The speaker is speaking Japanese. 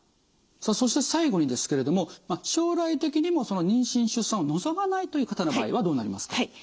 さあそして最後にですけれども将来的にも妊娠出産を望まないという方の場合はどうなりますか？